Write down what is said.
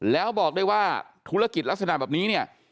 แล้วบอกได้ว่าธุรกิจลักษณะแบบนี้เนี่ย